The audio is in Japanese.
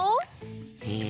え？